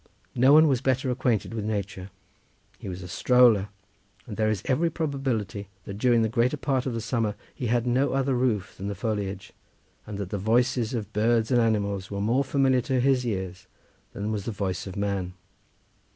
No one was better acquainted with nature; he was a stroller, and there is every probability that during the greater part of the summer he had no other roof than the foliage, and that the voices of birds and animals were more familiar to his ears than was the voice of man.